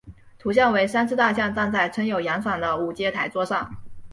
图像为三只大象站在撑有阳伞的五阶台座上。